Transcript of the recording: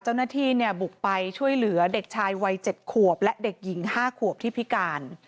เจ้าหน้าที่บุกไปช่วยเหลือเด็กชายวัย๗ขวบและเด็กหญิง๕ขวบที่พิการ